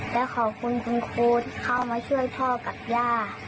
และขอบคุณคุณครูที่เข้ามาช่วยพ่อกับย่า